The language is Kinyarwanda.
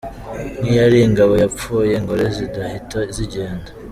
nk’iyo ari ingabo yapfuye ingore zidahita zigenda.